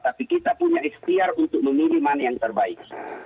tapi kita punya ikhtiar untuk memilih mana yang terbaik